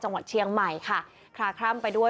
จังหวัดเชียงใหม่ค่ะคลาคล่ำไปด้วย